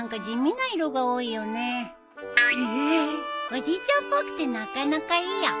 おじいちゃんっぽくてなかなかいいよ。